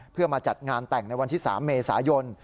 เพื่อมาจัดงานแต่งในวันที่๓เมษายน